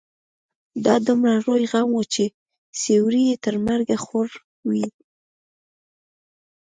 دا دومره لوی غم و چې سيوری يې تر مرګه خور وي.